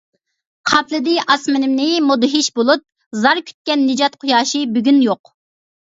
قاپلىدى ئاسمىنىمنى مۇدھىش بۇلۇت، زار كۈتكەن نىجات قۇياشى بۈگۈن يوق.